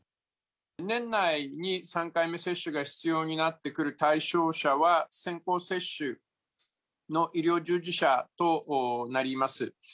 年内に３回目接種が必要になってくる対象者は先行接種の医療従事者となります。